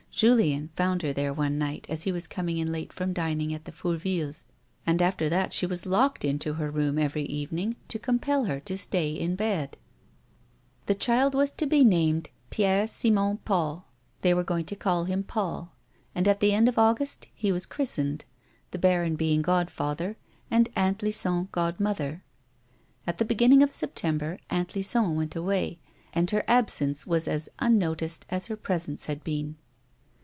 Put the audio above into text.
Julien found her there one night as he was coming in late from dining at the Fourvilles, and after that she was locked into her room every evening to compel her to stay in bed. The child was to be named Pierre Simon Paul (they were 128 A WOMAN'S LIFE. going to call him Paul) and at the end of August he waa christened, the baron being godfather, and Aunt Lison god mother. At the beginning of September Aunt Lison Aventaway, and her absence was as unnoticed as her presence had been.